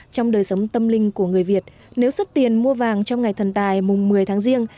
trong đời sống tâm linh của người việt nếu xuất tiền mua vàng trong ngày thần tài mùng một mươi tháng riêng